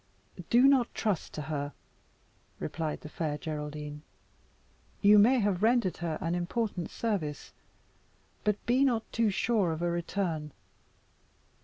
"Do not trust to her," replied the Fair Geraldine. "You may have rendered her an important service, but be not too sure of a return.